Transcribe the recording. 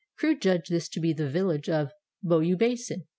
Crewe judged this to be the village of Beaubassin.